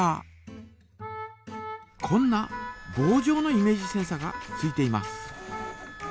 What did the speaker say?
こんなぼうじょうのイメージセンサがついています。